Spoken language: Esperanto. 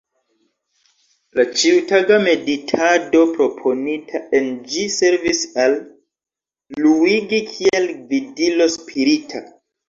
La ĉiutaga meditado proponita en ĝi servis al Luigi kiel gvidilo spirita.